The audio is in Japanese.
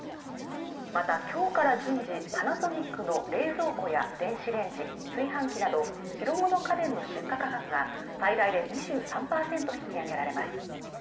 また今日から順次パナソニックの冷蔵庫や電子レンジ炊飯器など白物家電の出荷価格が最大で２３％引き上げられます